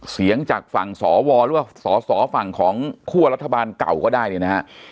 เสียงจากฝั่งสวหรือว่าสอสอฝั่งของคั่วรัฐบาลเก่าก็ได้เนี่ยนะฮะ